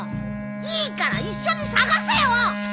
いいから一緒に捜せよ。